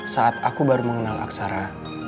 saat aku baru mengenal aksara